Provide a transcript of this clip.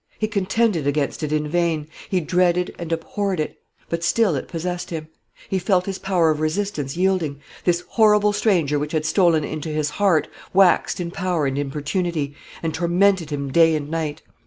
He contended against it in vain; he dreaded and abhorred it; but still it possessed him; he felt his power of resistance yielding. This horrible stranger which had stolen into his heart, waxed in power and importunity, and tormented him day and night.